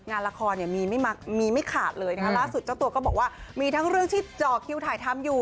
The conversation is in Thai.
งานละครเนี่ยมีไม่ขาดเลยนะคะล่าสุดเจ้าตัวก็บอกว่ามีทั้งเรื่องที่เจาะคิวถ่ายทำอยู่